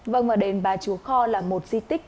vâng và đền bà chú kho là một di tích